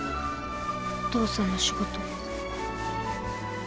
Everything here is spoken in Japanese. お父さんの仕事